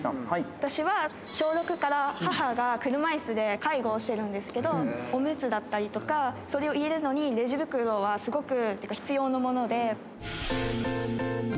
私は小６から母が車いすで介護をしてるんですけど、おむつだったりとか、それを入れるのにレジ袋はすごく必要なもので。